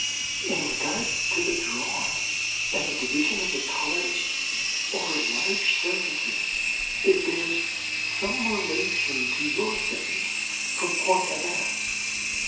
In regard to the drawing and the division of the colours over large surfaces, it bears some relation to your things from Pont Aven.